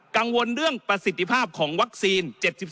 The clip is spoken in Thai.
กังวลเรื่องประสิทธิภาพของวัคซีน๗๒